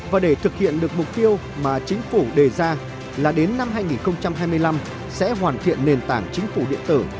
và để thực hiện được mục tiêu mà chính phủ đề ra là đến năm hai nghìn hai mươi năm sẽ hoàn thiện nền tảng chính phủ điện tử